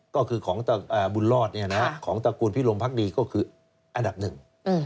ก็คือของบุญรอดของตระกูลพิรมพักดีก็คืออันดับหนึ่ง